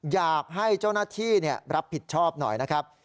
อยากให้เจ้าหน้าที่รับผิดชอบหน่อยนะครับ